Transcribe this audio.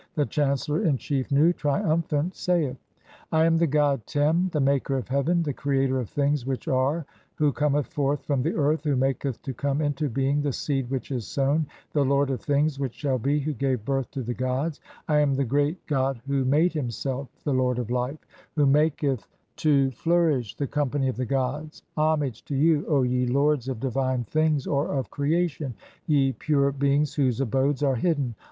The chancellor in chief, Nu, triumphant, saith :— (2) "I am the god Tem, the maker of heaven, the creator of things "which are, who cometh forth from the earth, who maketh to "come into being the seed which is sown, the lord of things "which shall be, who gave birth to the gods ; [I am] the great "god who made himself, (3) the lord of life, who maketh to THE CHAPTERS OF TRANSFORMATIONS. l3g "flourish the company of the gods. Homage to you, O ye lords "of divine things (or of creation), ye pure beings whose abodes "are hidden